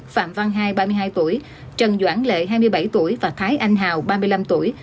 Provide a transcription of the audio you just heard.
phạm văn hai ba mươi hai tuổi trần doãn lệ hai mươi bảy tuổi và thái anh hào ba mươi năm tuổi